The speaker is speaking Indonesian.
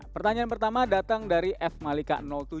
pertanyaan pertama datang dari fmalika tujuh